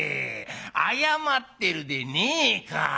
謝ってるでねえか。